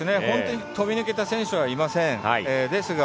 飛び抜けた選手はいません。